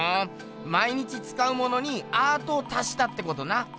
毎日つかうものにアートを足したってことな。